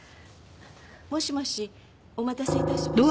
もしもしお待たせいたしました。